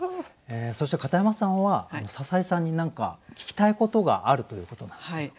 そして片山さんは篠井さんに何か聞きたいことがあるということなんですけど。